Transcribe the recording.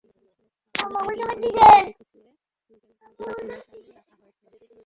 খণ্ডকালীন কিংবা অন্য বিভাগের শিক্ষক দিয়ে টেনেটুনে বিভাগগুলো চালু রাখা হয়েছে।